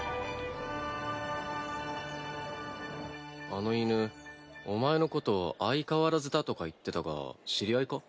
あの犬お前のこと相変わらずだとか言ってたが知り合いか？